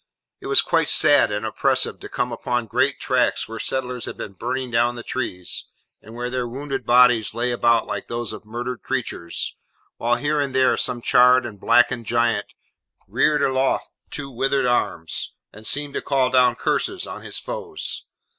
It was quite sad and oppressive, to come upon great tracts where settlers had been burning down the trees, and where their wounded bodies lay about, like those of murdered creatures, while here and there some charred and blackened giant reared aloft two withered arms, and seemed to call down curses on his foes.